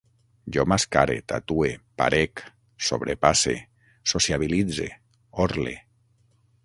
Jo mascare, tatue, parec, sobrepasse, sociabilitze, orle